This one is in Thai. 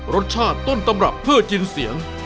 รสชาติต้นตำรับเพื่อจินเสียง